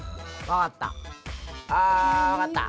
あわかった。